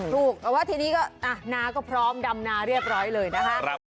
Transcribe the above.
ถูกแต่ว่าทีนี้ก็นาก็พร้อมดำนาเรียบร้อยเลยนะคะ